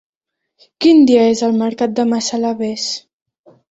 Quin dia és el mercat de Massalavés?